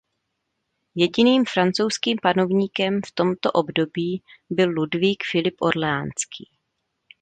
Jediným francouzským panovníkem v tomto období byl Ludvík Filip Orleánský.